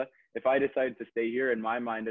kalau gue pilih untuk tinggal di sini